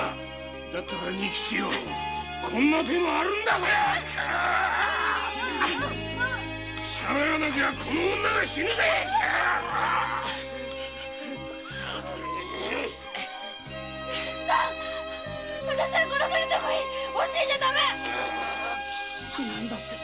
だったら仁吉よこんな手もあるんだぜしゃべらなきゃこの女が死ぬぜ仁吉っつぁん